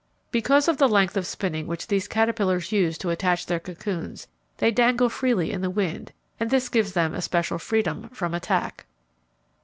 Because of the length of spinning which these caterpillars use to attach their cocoons, they dangle freely in the wind, and this gives them especial freedom from attack.